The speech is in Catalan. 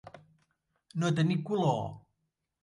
No tenir color.